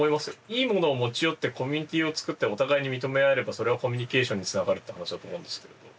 いいものを持ち寄ってコミュニティーを作ってお互いに認め合えればそれはコミュニケーションにつながるって話だと思うんですけど。